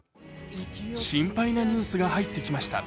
心配なニュースが入ってきました。